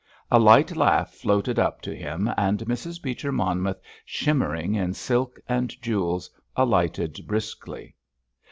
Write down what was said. A light laugh floated up to him, and Mrs. Beecher Monmouth, shimmering in silk and jewels, alighted briskly!